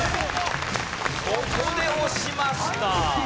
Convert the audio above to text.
ここで押しました。